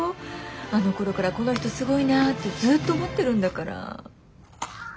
あのころからこの人すごいなぁってずっと思ってるんだから。